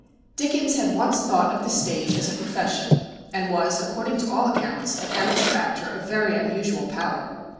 Dickens had once thought of the stage as a profession, and was, according to all accounts, an amateur actor of very unusual power.